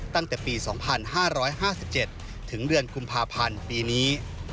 ตั้งแต่ปี๒๕๕๗ถึงเดือนกุมภาพันธ์ปีนี้